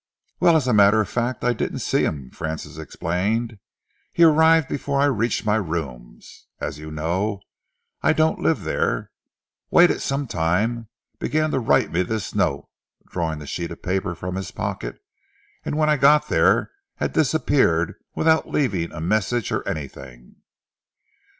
"Well, as a matter of fact, I didn't see him," Francis explained. "He arrived before I reached my rooms as you know, I don't live there waited some time, began to write me this note," drawing the sheet of paper from his pocket "and when I got there had disappeared without leaving a message or anything."